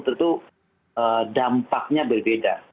tentu dampaknya berbeda